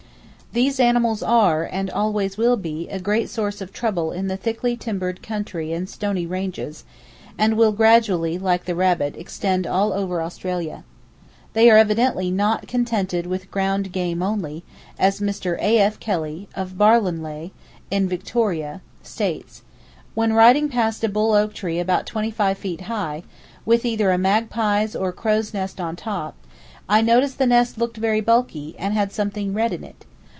These animals are, and always will be, a great source of trouble in the thickly timbered country and stony ranges, and will gradually, like the rabbit, extend all over Australia. They are evidently not contented with ground game only, as Mr. A.F. Kelly, of Barwonleigh, in Victoria, states: "When riding past a bull oak tree about twenty five feet high, with either a magpie's or crow's nest on top. I noticed the nest looked very bulky, and had something red in it.